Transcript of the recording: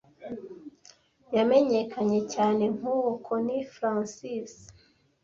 yamenyekanye cyane nkuwo Connie Francis